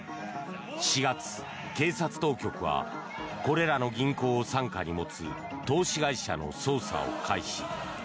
４月、警察当局はこれらの銀行を傘下に持つ投資会社の捜査を開始。